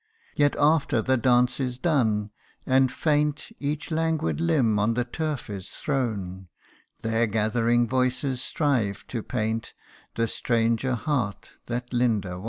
Yet after the dance is done, and faint Each languid limb on the turf is thrown, Their gathering voices strive to paint The stranger heart that Linda won.